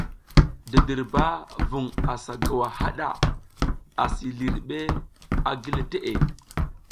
Didirba vung asa gowa haɗa, asi lihiriɗ a gile teʼe.